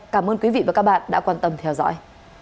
cảm ơn quý vị và các bạn đã quan tâm theo dõi